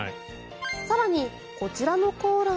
更に、こちらのコーラ。